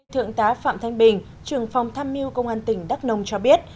thượng tá phạm thanh bình trường phòng tham miu công an tỉnh đắk nông cho biết